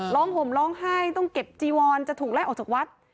ห่มร้องไห้ต้องเก็บจีวอนจะถูกไล่ออกจากวัด